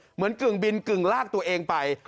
เหมือนกึ่งบินกึ่งลากตัวเองไป